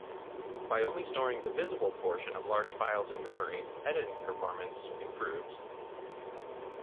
By only storing the visible portion of large files in memory, editing performance improves.